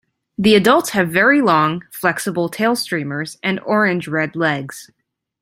The adults have very long, flexible tail streamers and orange-red legs.